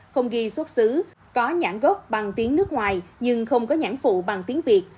không ghi xuất xứ có nhãn gốc bằng tiếng nước ngoài nhưng không có nhãn phụ bằng tiếng việt